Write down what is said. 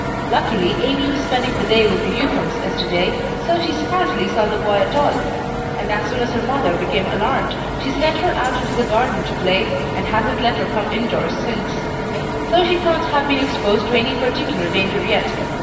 Luckily, Amy was spending the day with the Uphams yesterday, so she scarcely saw the boy at all; and as soon as her mother became alarmed, she sent her out into the garden to play, and hasn't let her come indoors since, so she can't have been exposed to any particular danger yet.